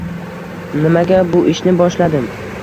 Nimaga bu ishni boshladim?